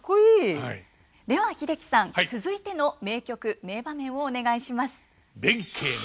では英樹さん続いての名曲名場面をお願いします。